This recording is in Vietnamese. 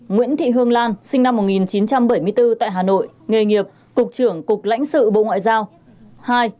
nguyễn thị hương lan sinh năm một nghìn chín trăm bảy mươi bốn tại hà nội nghề nghiệp cục trưởng cục lãnh sự bộ ngoại giao